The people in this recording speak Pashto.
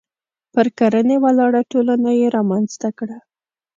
پر کرنې ولاړه ټولنه یې رامنځته کړه.